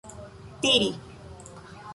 tiri